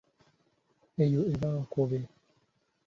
Eyo eba nkobe.